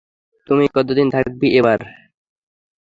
তুই কতদিন থাকবি এবার?